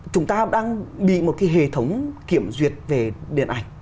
chúng ta đang bị một cái hệ thống kiểm duyệt về điện ảnh